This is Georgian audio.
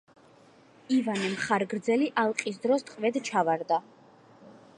ივანე მხარგრძელი ალყის დროს ტყვედ ჩავარდა.